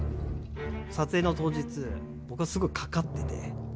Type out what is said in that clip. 撮影の当日、僕はすぐかかってて。